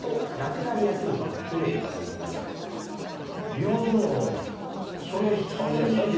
いやでもそれあれじゃないですか？